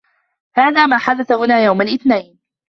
هذا ما حدث هنا يوم الإثنين.